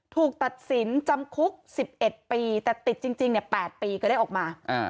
ถูกตัดสินจำคุก๑๑ปีแต่ติดจริง๘ปีก็ได้ออกมา